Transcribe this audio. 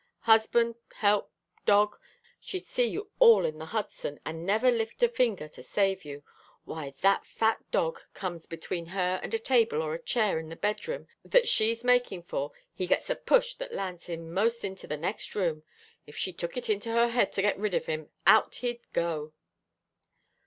Husband, help, dog she'd see you all in the Hudson, and never lift a finger to save you. Why, when that fat dog comes between her and a table or a chair in the bed room, that she's making for, he gets a push that lands him most into the next room. If she took it into her head to get rid of him, out he'd go."